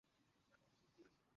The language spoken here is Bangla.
আরে এক মিনিট।